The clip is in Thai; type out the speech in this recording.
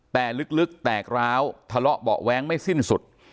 แต่ลึกแตกร้าวทะเลาะเบาะแว้งไม่สิ้นสุด